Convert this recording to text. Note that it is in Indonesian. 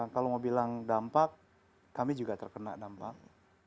kalau mau bilang dampak kami juga terkena dampak